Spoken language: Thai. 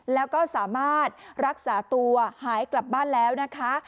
แล้วก็สามารถรักษาตัวหายกลับบ้านแล้วนะคะ